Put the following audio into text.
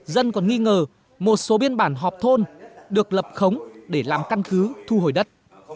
dân còn nghi ngờ một số biên bản họp thôn được lập khống để làm căn cứ thu hồi đất